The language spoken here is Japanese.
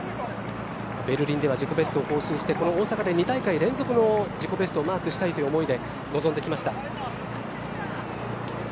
ベルリンでは自己ベストを更新してこの大阪で２大会連続の自己ベストをマークしたいという思いで臨んできました。